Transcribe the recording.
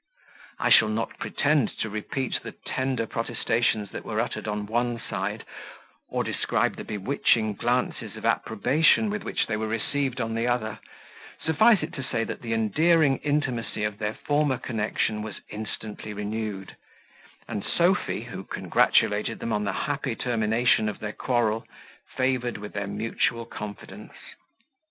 I shall not pretend to repeat the tender protestations that were uttered on one side, or describe the bewitching glances of approbation with which they were received on the other, suffice it to say that the endearing intimacy of their former connection was instantly renewed, and Sophy, who congratulated them on the happy termination of their quarrel, favoured with their mutual confidence.